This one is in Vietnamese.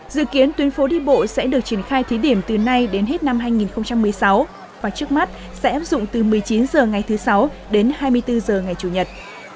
dự kiến tuyến phố đi bộ sẽ được triển khai thí điểm từ nay đến hết năm hai nghìn một mươi sáu và trước mắt sẽ áp dụng từ một mươi chín h ngày thứ sáu đến hai mươi bốn h ngày chủ nhật